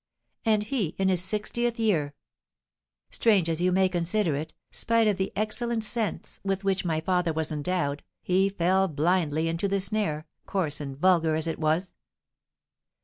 And he in his sixtieth year! Strange as you may consider it, spite of the excellent sense with which my father was endowed, he fell blindly into the snare, coarse and vulgar as it was.